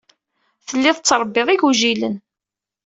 Telliḍ tettṛebbiḍ igujilen.